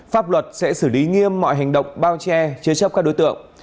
pháp luật sẽ xử lý nghiêm mọi hành động bao che chế chấp các đối tượng